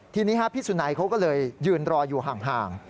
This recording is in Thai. ทีนี้พี่สุนัยเขาก็เลยยืนรออยู่ห่าง